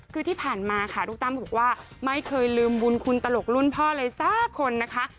คือที่ผ่านมาค่ะลูกตั้มบอกว่าไม่เคยลืมบุญคุณตลกรุ่นพ่อเลยสักคนนะคะ